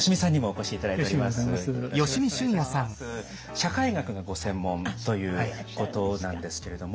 社会学がご専門ということなんですけれども。